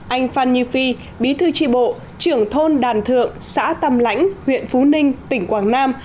anh phan như phi bí thư tri bộ trưởng thôn đàn thượng xã tam lãnh huyện phú ninh tỉnh quảng nam